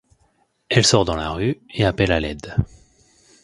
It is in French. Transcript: Elle sort dans la rue et appelle à l'aide.